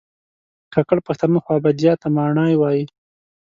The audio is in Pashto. کاکړ پښتانه خوابدیا ته ماڼی وایي